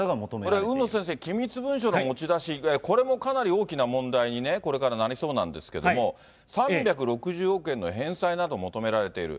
これ海野先生、機密文書の持ち出し、これもかなり大きな問題にね、これからなりそうなんですけれども、３６０億円の返済など求められている。